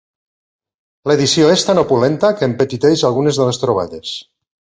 L'edició és tan opulenta que empetiteix algunes de les troballes.